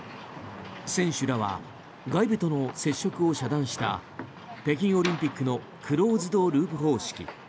選手らは外部との接触を遮断した北京オリンピックのクローズドループ方式